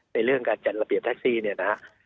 ในเรื่องการจัดระเบียบทักซีนะฮะ